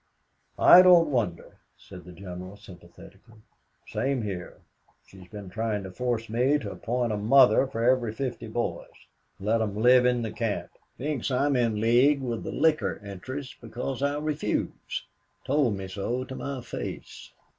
"I don't wonder," said the General, sympathetically. "Same here. She's been trying to force me to appoint a mother for every fifty boys. Let 'em live in the camp. Thinks I'm in league with the liquor interests because I refuse told me so to my face.